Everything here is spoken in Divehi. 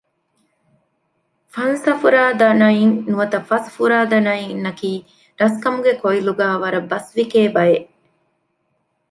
‘ފަންސަފުރަދާނައިން’ ނުވަތަ ފަސް ފުރަދާނައިން ނަކީ ރަސްކަމުގެ ކޮއިލުގައި ވަރަށް ބަސްވިކޭ ބައެއް